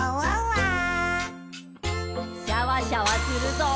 シャワシャワするぞ。